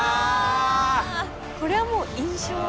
これはもう印象。